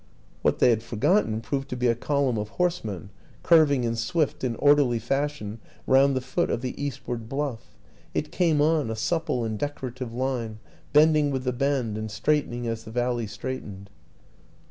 What they had forgotten proved to be a column of horsemen curving in swift and orderly fashion round the foot of the eastward bluff. It came on, a supple and decorative line, bending with the bend and straightening as the valley straightened.